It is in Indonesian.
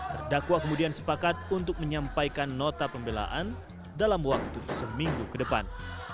terdakwa kemudian sepakat untuk menyampaikan nota pembelaan dalam waktu seminggu ke depan